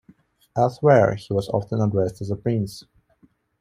Elsewhere he was often addressed as a prince.